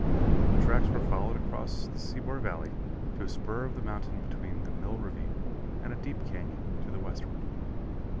The tracks were followed across the Seymour Valley to a spur of the mountain between the mill ravine and a deep canyon to the westward.